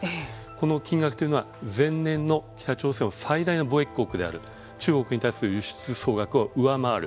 この金額というのは前年の北朝鮮の最大の貿易国である中国に対する輸出総額を上回る。